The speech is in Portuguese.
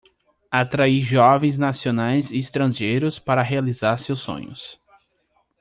Atrair jovens nacionais e estrangeiros para realizar seus sonhos